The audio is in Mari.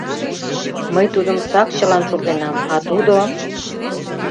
Мый тудым сакчылан шотленам, а тудо...